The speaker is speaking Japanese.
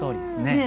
ねえ？